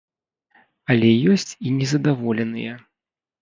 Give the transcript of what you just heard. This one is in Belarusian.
Але ёсць і незадаволеныя.